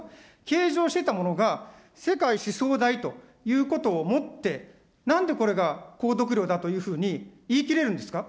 計上していたものが、世界思想代ということをもって、なんでこれが購読料だというふうに言い切れるんですか。